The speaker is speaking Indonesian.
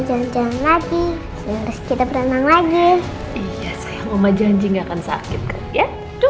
jangan lagi kita berenang lagi iya sayang mama janji nggak akan sakit ya